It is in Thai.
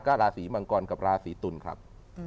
ราศีมังกรกับราศีตุลครับ